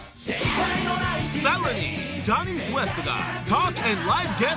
［さらに］